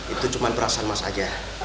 itu cuma perasaan mas aja